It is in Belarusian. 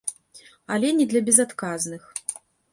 Але не для безадказных.